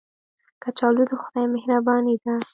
کچالو د خدای مهرباني ده